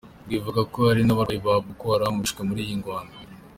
Rivuga ko hari n'abagwanyi ba Boko Haram bishwe muri iyo ngwano.